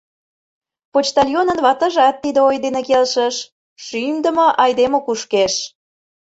Почтальонын ватыжат тиде ой дене келшыш: — Шӱмдымӧ айдеме кушкеш.